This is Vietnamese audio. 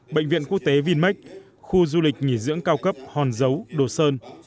bệnh viện quốc tế vinmec khu du lịch nghỉ dưỡng cao cấp hòn dấu đồ sơn